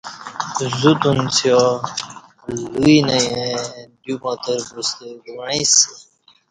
زوت انڅیبا لوی نہ ییں دیوماتربوستہ کو وعیں سہ